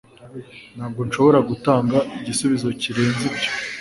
Ntabwo nshobora gutanga igisubizo kirenze ibyo